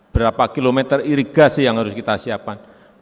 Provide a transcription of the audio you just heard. berapa kilometer irigasi yang harus kita siapkan